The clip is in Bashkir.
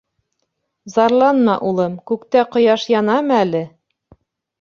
— Зарланма, улым, күктә ҡояш янамы әле?